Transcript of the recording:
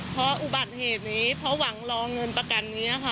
เพราะอุบัติเหตุนี้เพราะหวังรอเงินประกันนี้ค่ะ